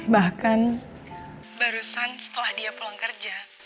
bahkan barusan setelah dia pulang kerja